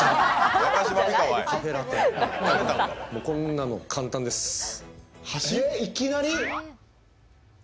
こんなの簡単です。